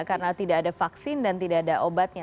karena tidak ada vaksin dan tidak ada obatnya